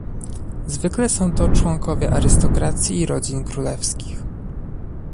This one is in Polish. Zwykle są to członkowie arystokracji i rodzin królewskich